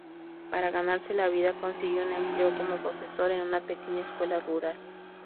Para ganarse la vida, consigue un empleo como profesor en una pequeña escuela rural.